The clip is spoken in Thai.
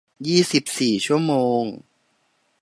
ยี่สิบสี่ ชั่วโมง